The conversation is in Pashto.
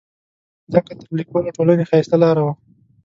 ځکه تر لیکوالو ټولنې ښایسته لاره وه.